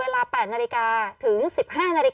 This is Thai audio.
กล้องกว้างอย่างเดียว